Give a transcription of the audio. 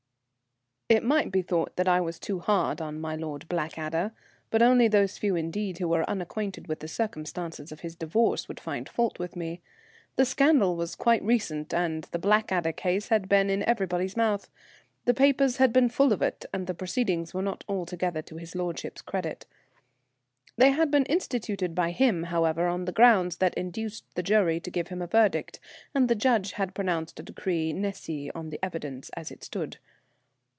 It might be thought that I was too hard on my Lord Blackadder, but only those few indeed who were unacquainted with the circumstances of his divorce would find fault with me. The scandal was quite recent, and the Blackadder case had been in everybody's mouth. The papers had been full of it, and the proceedings were not altogether to his lordship's credit. They had been instituted by him, however, on grounds that induced the jury to give him a verdict, and the judge had pronounced a decree nisi on the evidence as it stood.